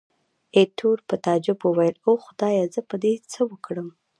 ایټور په تعجب وویل، اوه خدایه! زه به په دې څه وکړم.